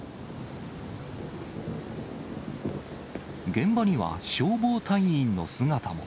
現場には消防隊員の姿も。